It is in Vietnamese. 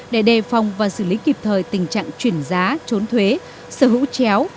để đề phòng và xử lý kịp thời tình trạng chuyển giá trốn thuế sở hữu chéo